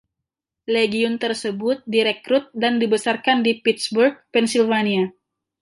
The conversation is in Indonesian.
Legiun tersebut direkrut dan dibesarkan di Pittsburgh, Pennsylvania.